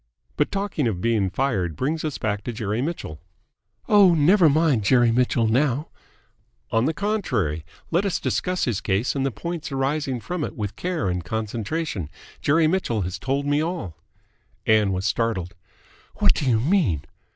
But talking of being fired brings us back to Jerry Mitchell." "Oh, never mind Jerry Mitchell now " "On the contrary, let us discuss his case and the points arising from it with care and concentration. Jerry Mitchell has told me all!" Ann was startled. "What do you mean?"